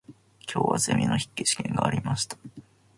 今日はゼミの筆記試験がありました。